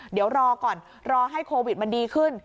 เดี๋ยวรอก่อนรอให้โควิดมันดีขึ้น